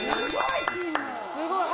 すごい。